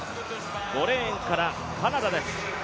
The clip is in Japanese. ５レーンからカナダです。